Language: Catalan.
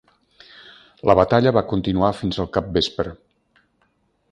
La batalla va continuar fins al capvespre.